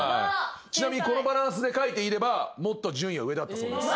ちなみにこのバランスで書いていればもっと順位は上だったそうです。